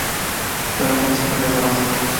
De los once regresaron seis.